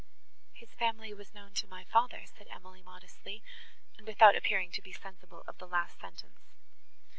"His family was known to my father," said Emily modestly, and without appearing to be sensible of the last sentence.